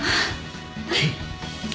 はい。